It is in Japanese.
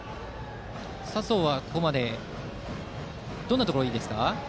佐宗はここまでどんなところがいいですか？